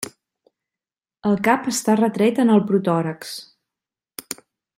El cap està retret en el protòrax.